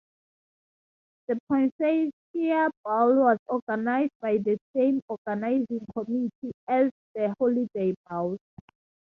The Poinsettia Bowl was organized by the same organizing committee as the Holiday Bowl.